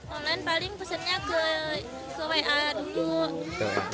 online paling pesannya ke wa dulu